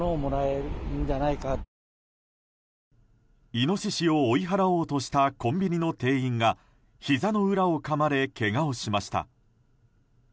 イノシシを追い払おうとしたコンビニの店員がひざの裏をかまれけがをしました。